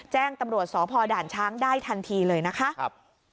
แจ้งตำรวจสพด่านช้างได้ทันทีเลยนะคะ